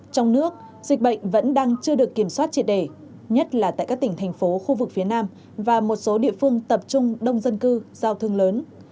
trong nước dịch bệnh vẫn đang chưa được kiểm soát triệt đề nhất là tại các tỉnh thành phố khu vực phía nam và một số địa phương tập trung đông dân cư giao thương lớn